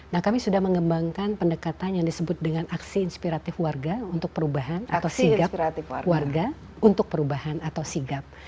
nah kami sudah mengembangkan pendekatan yang disebut dengan aksi inspiratif warga untuk perubahan atau sigap